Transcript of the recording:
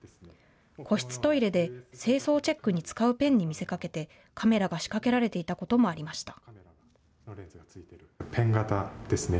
個室トイレで清掃チェックに使うペンに見せかけてカメラが仕掛けられていたこともありました。